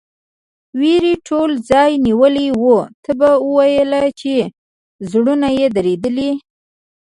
وېرې ټول ځای نیولی و، تا به ویل چې زړونه یې درېدلي.